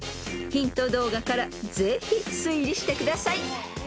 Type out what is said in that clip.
［ヒント動画からぜひ推理してください］